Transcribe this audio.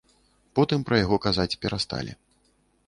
Потым пра яго казаць перасталі.